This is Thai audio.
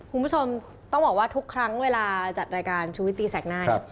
คุณผู้ชมต้องบอกว่าทุกครั้งเวลาจัดรายการชุวิตตีแสกหน้าเนี่ย